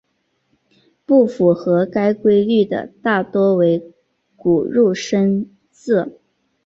不符合该规律的大多为古入声字。